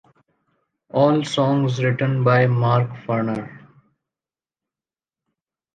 All songs written by Mark Farner.